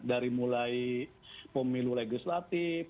dari mulai pemilu legislatif